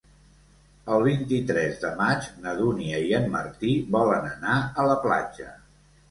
El vint-i-tres de maig na Dúnia i en Martí volen anar a la platja.